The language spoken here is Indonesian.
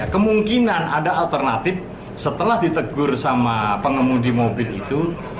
kemungkinan ada alternatif setelah ditegur sama pengemudi mobil itu